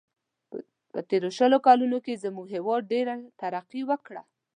په تېرو شلو کلونو کې زموږ هیواد ډېره ترقي و کړله.